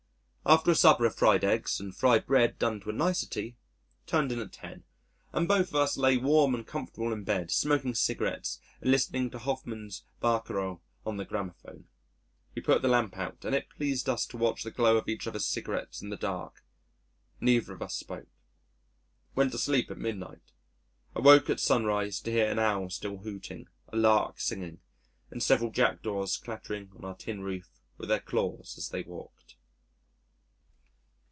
After a supper of fried eggs and fried bread done to a nicety, turned in at ten, and both of us lay warm and comfortable in bed, smoking cigarettes and listening to Hoffmann's Barcarolle on the gramophone. We put the lamp out, and it pleased us to watch the glow of each other's cigarettes in the dark.... Neither of us spoke.... Went to sleep at midnight. Awoke at sunrise to hear an Owl still hooting, a Lark singing, and several Jackdaws clattering on our tin roof with their claws as they walked.